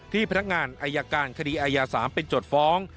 พนักงานอายการคดีอายา๓เป็นจดฟ้อง